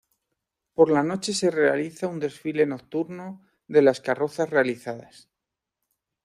Por la noche se realiza un desfile nocturno de las carrozas realizadas.